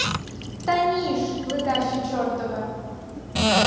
Так ні ж, ледащо чортове!